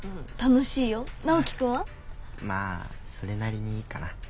まあそれなりにかな。